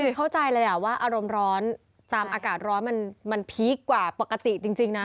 เข้าใจเลยว่าอารมณ์ร้อนตามอากาศร้อนมันพีคกว่าปกติจริงนะ